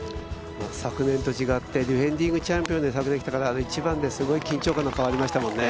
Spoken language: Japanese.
昨年と違って、ディフェンディングチャンピオンで来ていたから、今年は１番ですごい緊張感ありましたもんね。